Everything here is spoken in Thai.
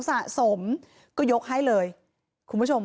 หมาก็เห่าตลอดคืนเลยเหมือนมีผีจริง